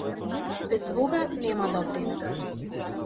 Без бога нема добрина.